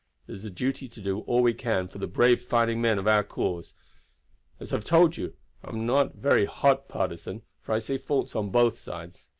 It is a duty to do all we can for the brave men fighting for our cause. As I have told you, I am not a very hot partisan, for I see faults on both sides.